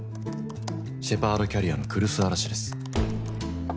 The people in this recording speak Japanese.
シェパードキャリアの来栖嵐です」。